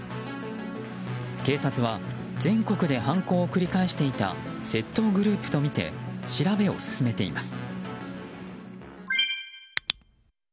警察は全国で犯行を繰り返していた窃盗グループとみて調べを進めています。